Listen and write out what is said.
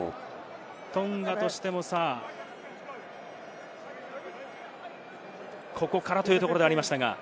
トンガとしてもここからというところでしたが。